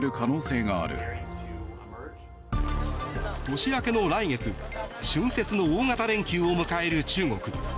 年明けの来月春節の大型連休を迎える中国。